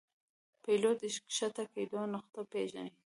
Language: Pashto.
پیلوټ د ښکته کېدو نقطه پیژني.